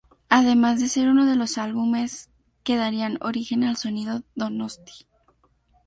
Además de ser uno de los álbumes que darían origen al Sonido Donosti.